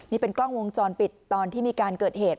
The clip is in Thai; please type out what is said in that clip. นี่เป็นกล้องวงจรปิดตอนที่มีการเกิดเหตุ